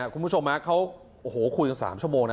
คุณผู้ชมเขาโอ้โหคุยกัน๓ชั่วโมงนะ